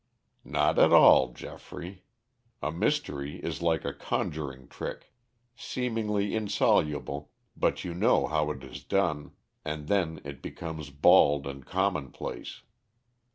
"Not at all, Geoffrey. A mystery is like a conjuring trick seemingly insoluble, but you know how it is done, and then it becomes bald and commonplace.